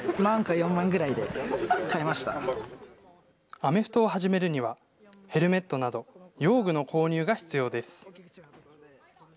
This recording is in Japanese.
アメフトを始めるには、ヘルメットなど用具の購入が必要です。